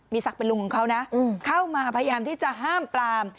ศักดิ์เป็นลุงของเขานะเข้ามาพยายามที่จะห้ามปลาม